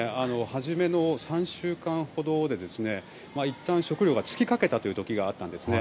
初めの３週間ほどでいったん食料が尽きかけたという時があったんですね。